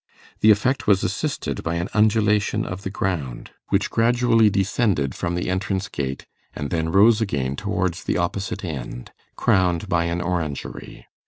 The effect was assisted by an undulation of the ground, which gradually descended from the entrance gate, and then rose again towards the opposite end, crowned by an orangery.